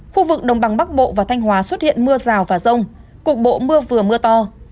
khu vực đồng bằng bắc bộ và thanh hóa xuất hiện mưa rào và rông cục bộ mưa vừa mưa to